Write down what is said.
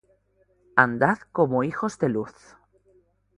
andad como hijos de luz,